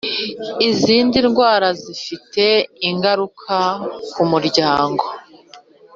Izindi ndwara zifite ingaruka ku muryango